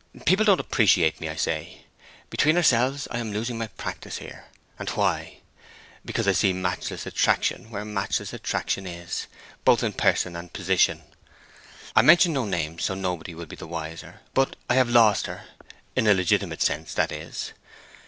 People don't appreciate me, I say. Between ourselves, I am losing my practice here; and why? Because I see matchless attraction where matchless attraction is, both in person and position. I mention no names, so nobody will be the wiser. But I have lost her, in a legitimate sense, that is.